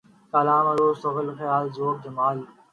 کلام ، عَرُوض ، تغزل ، خیال ، ذوق ، جمال